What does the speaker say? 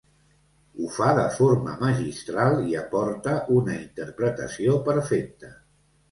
Ho fa de forma magistral i aporta una interpretació perfecta.